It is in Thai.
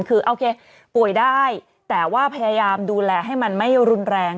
คือโอเคป่วยได้แต่ว่าพยายามดูแลให้มันไม่รุนแรง